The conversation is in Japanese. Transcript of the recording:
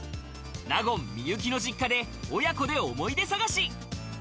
納言・幸の実家で親子で思い出探し。